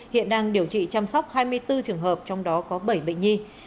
hiện đang điều trị chăm sóc hai mươi bốn trường hợp trong đó có bảy bệnh nhi